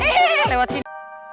eh lewat sini